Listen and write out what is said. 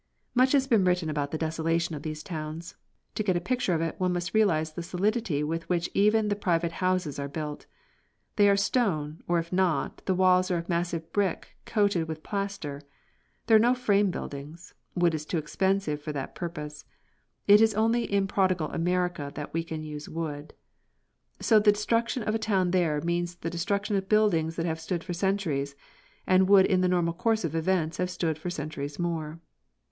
Much has been written about the desolation of these towns. To get a picture of it one must realise the solidity with which even the private houses are built. They are stone, or if not, the walls are of massive brick coated with plaster. There are no frame buildings; wood is too expensive for that purpose. It is only in prodigal America that we can use wood. So the destruction of a town there means the destruction of buildings that have stood for centuries, and would in the normal course of events have stood for centuries more.